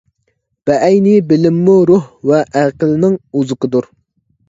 بەئەينى، بىلىممۇ روھ ۋە ئەقىلنىڭ ئوزۇقىدۇر.